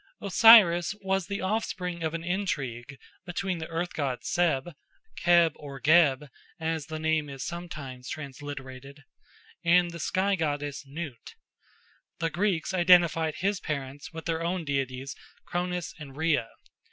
Osiris was the offspring of an intrigue between the earth god Seb (Keb or Geb, as the name is sometimes transliterated) and the sky goddess Nut. The Greeks identified his parents with their own deities Cronus and Rhea.